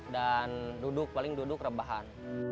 dan duduk paling duduk rebahan